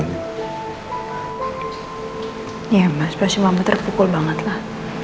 iya mas pasti mama terpukul banget lah